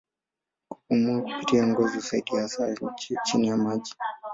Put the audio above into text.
Kupumua kupitia ngozi husaidia hasa chini ya maji.